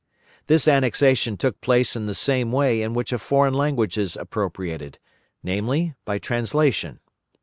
This annexation took place in the same way in which a foreign language is appropriated, namely, by translation.